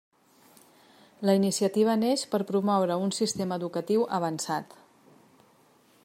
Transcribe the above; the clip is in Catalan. La iniciativa neix per promoure un sistema educatiu avançat.